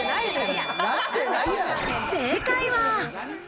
正解は。